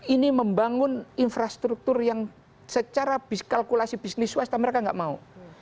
ini membangun infrastruktur yang secara biskalkulasi bisnis swasta mereka nggak mau